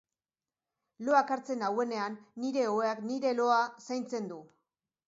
Loak hartzen nauenean nire oheak nire loa zaintzen du.